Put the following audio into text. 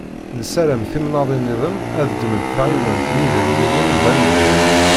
Nessaram timnaḍin-nniḍen ad ddment taɣiwant n Iderginen d amedya.